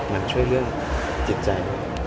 มันช่วยเรื่องจิตใจ